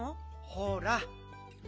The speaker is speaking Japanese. ほら。